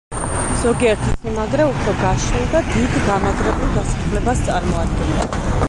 ზოგიერთი სიმაგრე უფრო გაშლილ და დიდ გამაგრებულ დასახლებას წარმოადგენდა.